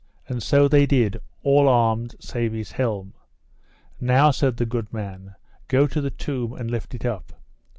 And so they did, all armed save his helm. Now, said the good man, go to the tomb and lift it up.